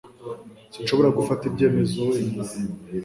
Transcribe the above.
Sinshobora gufata ibyemezo wenyine